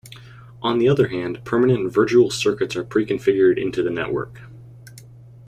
On the other hand, permanent virtual circuits are preconfigured into the network.